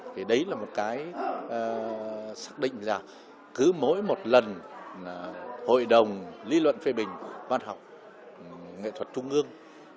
thì đấy là một cái xác định là cứ mỗi một lần hội đồng lý luận phê bình văn học nghệ thuật trung ương